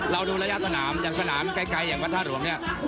เรานิวระยะสนามอย่างสนามใกล้แบบพเตศลูมเนี่ย